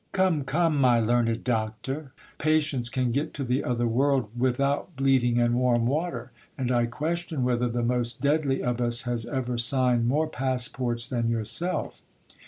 Come, come, my learned doctor, patients can get to the other world without bleeding and warm water ; and I question whether the most deadly of us has ever signed more passports than yourself.